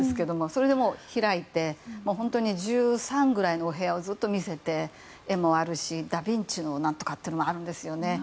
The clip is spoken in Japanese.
それでも開いて１３ぐらいのお部屋をずっと見せて、絵もあるしダヴィンチの何とかっていうのもあるんですよね。